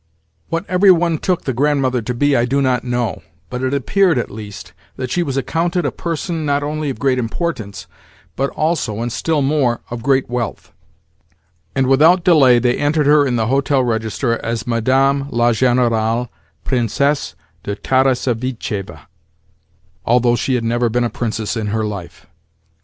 What every one took the Grandmother to be I do not know, but it appeared, at least, that she was accounted a person not only of great importance, but also, and still more, of great wealth; and without delay they entered her in the hotel register as "Madame la générale, Princesse de Tarassevitcheva," although she had never been a princess in her life.